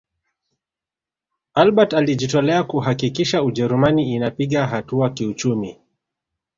albert alijitolea kuhakikisha ujerumani inapiga hatua kiuchumi